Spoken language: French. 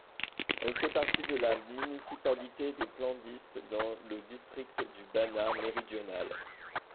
Elle fait partie de la municipalité de Plandište dans le district du Banat méridional.